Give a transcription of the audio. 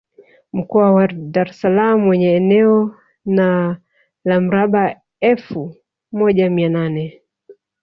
Mkoa wa Dar es Salaam wenye eneo na la mraba efu moja mia nane